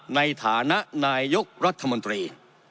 ในฐานะนายกรัฐมนตรี